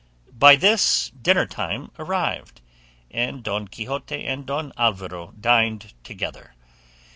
By this dinner time arrived, and Don Quixote and Don Alvaro dined together.